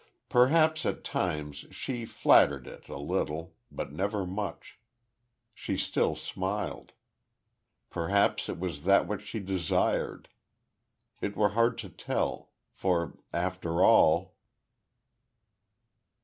Perhaps, at times, she flattered it, a little but never much.... She still smiled.... Perhaps, it was that which she desired. It were hard to tell. For, after all....